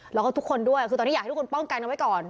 แล้วก็ทุกคนด้วยคือตอนนี้อยากให้ทุกคนป้องกันเอาไว้ก่อน